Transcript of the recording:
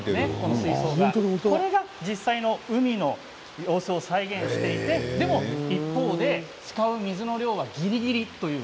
水槽が、これが実際の海の様子を再現していて一方で使う水の量は、ぎりぎりという。